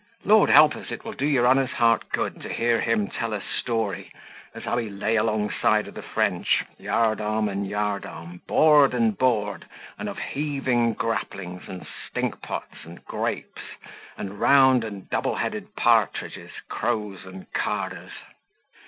Lord help us! it will do your honour's heart good to hear him tell a story, as how he lay alongside of the French, yard arm and yard arm, board and board, and of heaving grapplings, and stink pots, and grapes, and round and double headed partridges, crows and carters.